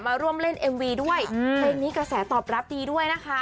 มาร่วมเล่นเอ็มวีด้วยเพลงนี้กระแสตอบรับดีด้วยนะคะ